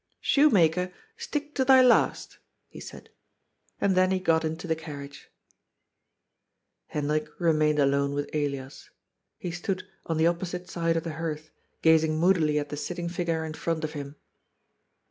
" Shoemaker, stick to thy last," he said. And then he got into the carriage. Hendrik remained alone with Elias. He stood, on the opposite side of the hearth, gazing moodily at the sitting figure in front of him.